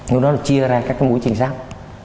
lúc đó là chia ra các cái mũi chính sát